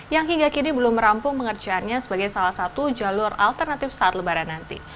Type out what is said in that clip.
yang hingga kini belum merampung pengerjaannya sebagai salah satu jalur alternatif saat lebaran nanti